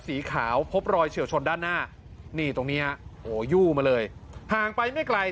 สีขาวพบรอยเฉียวชนด้านหน้านี่ตรงนี้ฮะโอ้โหยู่มาเลยห่างไปไม่ไกล